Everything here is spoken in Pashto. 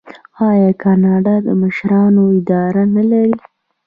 آیا کاناډا د مشرانو اداره نلري؟